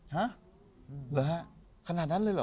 ฮะเหรอฮะขนาดนั้นเลยเหรอ